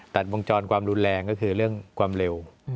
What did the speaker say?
ตัดวงจรความรุนแรงก็คือเรื่องความเร็ว